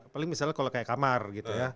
paling misalnya kalau kayak kamar gitu ya